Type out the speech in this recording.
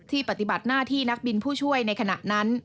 ปฏิบัติหน้าที่นักบินผู้ช่วยในขณะนั้น